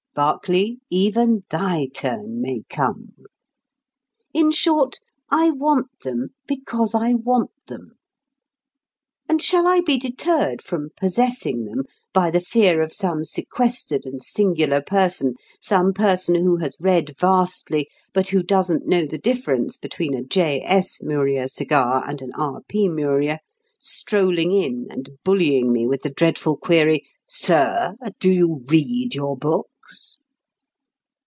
(Berkeley, even thy turn may come!) In short, I want them because I want them. And shall I be deterred from possessing them by the fear of some sequestered and singular person, some person who has read vastly but who doesn't know the difference between a J.S. Muria cigar and an R.P. Muria, strolling in and bullying me with the dreadful query: "_Sir, do you read your books?